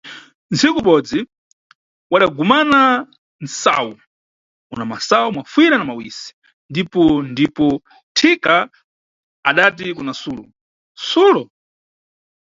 Nsiku ibodzi, wadagumana msayu una masayu mafuyira na mawisi, ndipo ndipo thika adati kuna sulo: Sulo!